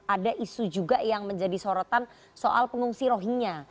ada isu juga yang menjadi sorotan soal pengungsi rohingya